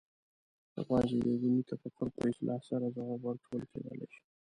یوازې د دیني تفکر په اصلاح سره ځواب ورکول کېدای شي.